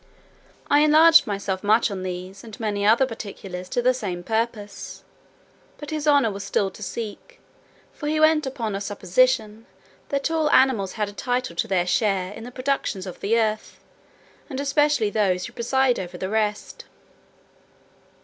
I enlarged myself much on these, and many other particulars to the same purpose; but his honour was still to seek; for he went upon a supposition, that all animals had a title to their share in the productions of the earth, and especially those who presided over the rest.